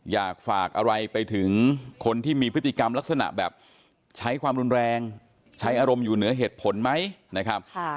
อยากฝากอะไรไปถึงคนที่มีพฤติกรรมลักษณะแบบใช้ความรุนแรงใช้อารมณ์อยู่เหนือเหตุผลไหมนะครับ